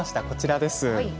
こちらです。